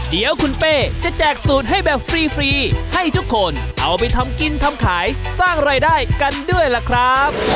เดี๋ยวคุณเป้จะแจกสูตรให้แบบฟรีให้ทุกคนเอาไปทำกินทำขายสร้างรายได้กันด้วยล่ะครับ